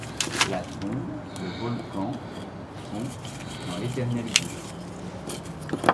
La trombe, le volcan, font, dans l’éternel gouffre